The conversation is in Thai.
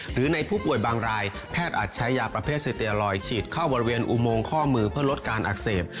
หรือในผู้ป่วยบางรายแพทย์อาจใช้ยาประเภทสเตียลอยฉีดเข้าบริเวณอุโมงข้อมือเพื่อลดการอักเสบ